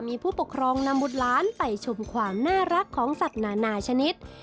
มีผู้ปกครองนำบุตรล้านไปชมความน่ารักของสัตว์นานาชนิด